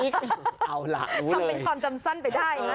การ์ตูน่ะ